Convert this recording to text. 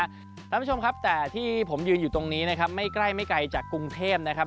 คุณผู้ชมครับแต่ที่ผมยืนอยู่ตรงนี้นะครับไม่ใกล้ไม่ไกลจากกรุงเทพนะครับ